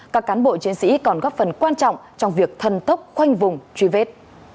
các cán bộ chiến sĩ còn góp phần quan trọng trong việc thần tốc khoanh vùng truy vết